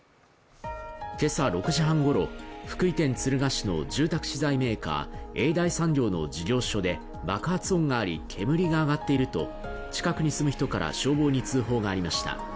今朝６時半ごろ福井県敦賀市の住宅資材メーカー、永大産業の事業所で、爆発音があり煙が上がっていると近くに住む人から消防に通報がありました。